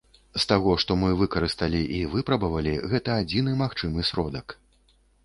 З таго, што мы выкарысталі і выпрабавалі, гэта адзіны магчымы сродак.